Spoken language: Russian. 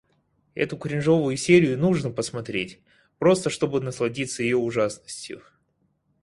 Эту кринжовую серию нужно посмотреть, просто чтобы насладиться её ужасностью.